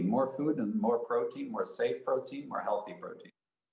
lebih banyak makanan dan protein yang lebih aman protein yang lebih sehat protein yang lebih sehat